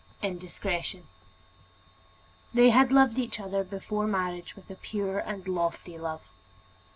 INDISCRETION They had loved each other before marriage with a pure and lofty love.